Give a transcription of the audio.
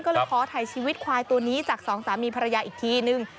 ก็เลยขอถ่ายชีวิตควายตัวนี้จากสองสามีภรรยาอีกทีนึง